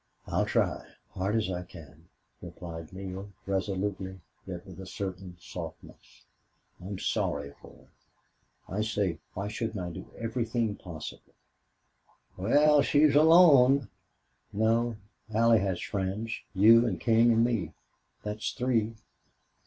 "I'll try hard as I can," replied Neale, resolutely, yet with a certain softness. "I'm sorry for her. I saved her. Why shouldn't I do everything possible?" "Wal, she's alone." "No, Allie has friends you and King and me. That's three."